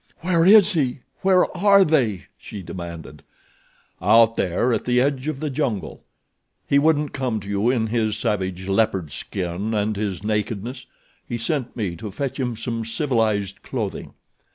"Where is he? Where are they?" she demanded. "Out there at the edge of the jungle. He wouldn't come to you in his savage leopard skin and his nakedness—he sent me to fetch him civilized clothing."